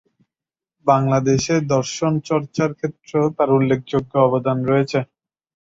বাংলাদেশে দর্শন চর্চার ক্ষেত্রেও তাঁর উল্লেখযোগ্য অবদান রয়েছে।